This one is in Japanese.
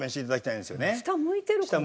下向いてるかな？